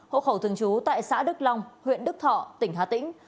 hộ khẩu thường trú tại xã đức long huyện đức thọ tỉnh hà tĩnh